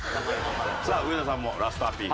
さあ上田さんもラストアピール。